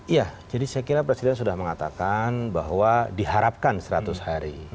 ya jadi saya kira presiden sudah mengatakan bahwa diharapkan seratus hari